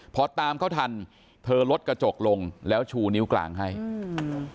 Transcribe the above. พอตามเขาทันเธอลดกระจกลงแล้วชูนิ้วกลางให้อืม